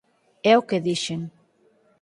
É o que dixen.